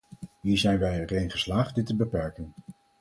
Hier zijn wij erin geslaagd dit te beperken.